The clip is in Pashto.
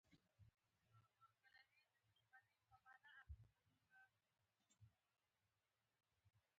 د پرمختللو هیوادونو دندې لټوي.